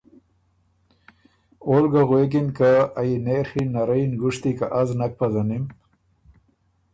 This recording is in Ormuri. اول ګه غوېکِن که ”ائ نېڒی نرئ نګُشتي که از نک پزنِم